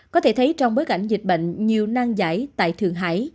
có thể thấy trong bối cảnh dịch bệnh nhiều nang giải tại thượng hải